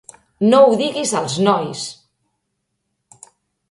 No ho diguis als nois!